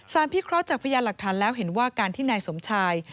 พิเคราะห์จากพยานหลักฐานแล้วเห็นว่าการที่นายสมชาย